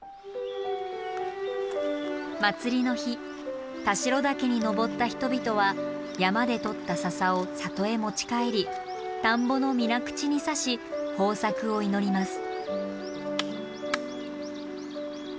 祭りの日田代岳に登った人々は山で採った笹を里へ持ち帰り田んぼの水口に差し豊作を祈ります。